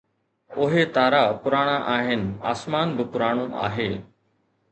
اهي تارا پراڻا آهن، آسمان به پراڻو آهي